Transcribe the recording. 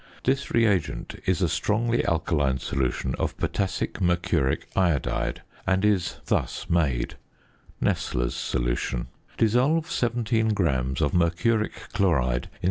This reagent is a strongly alkaline solution of potassic mercuric iodide; and is thus made: Nessler's solution: Dissolve 17 grams of mercuric chloride in 300 c.